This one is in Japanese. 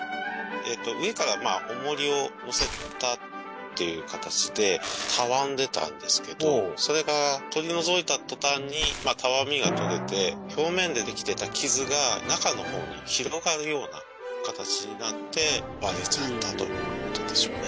上から重りをのせたっていう形でたわんでたんですけど取り除いた途端にたわみが取れて表面でできてた傷が中の方に広がるような形になって割れちゃったということでしょうね。